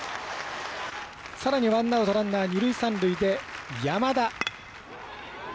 さらにワンアウトランナー、二塁、三塁で山田。